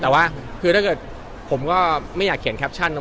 แต่ว่าคือถ้าเกิดผมก็ไม่อยากเขียนแคปชั่น